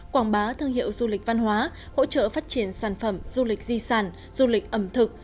quảng bá thương hiệu du lịch văn hóa hỗ trợ phát triển sản phẩm du lịch di sản du lịch ẩm thực